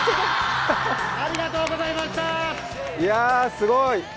すごい！